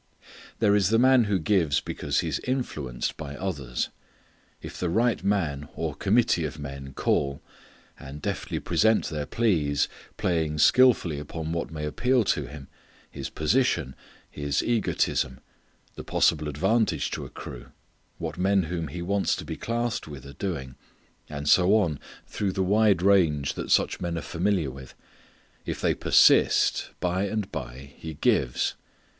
There is the man who gives because he is influenced by others. If the right man or committee of men call, and deftly present their pleas, playing skillfully upon what may appeal to him; his position; his egotism; the possible advantage to accrue; what men whom he wants to be classed with are doing, and so on through the wide range that such men are familiar with; if they persist, by and by he gives.